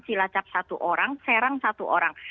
cilacap satu orang serang satu orang